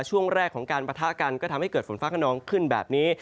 ช่วงแรกของการปะทะกันก็ทำให้เกิดฝนฟ้าขนองขึ้นแบบนี้